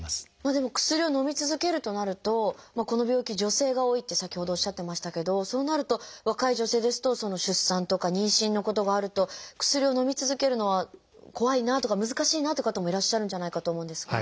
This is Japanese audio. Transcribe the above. でも薬をのみ続けるとなるとこの病気女性が多いって先ほどおっしゃってましたけどそうなると若い女性ですと出産とか妊娠のことがあると薬をのみ続けるのは怖いなとか難しいなって方もいらっしゃるんじゃないかと思うんですが。